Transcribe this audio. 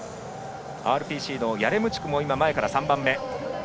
ＲＰＣ、ヤレムチュクも前から３人目。